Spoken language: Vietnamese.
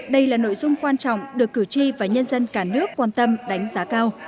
đây là nội dung quan trọng được cử tri và nhân dân cả nước quan tâm đánh giá cao